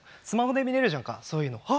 スマホで見れるじゃんかそういうの。